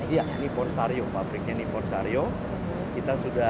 ya ini ponsario pabriknya ini ponsario kita sudah